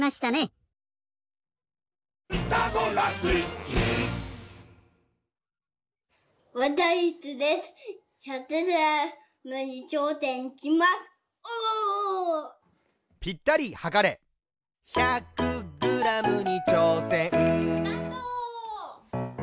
お！スタート！